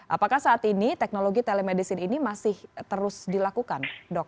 apakah saat ini teknologi telemedicine ini masih terus dilakukan dok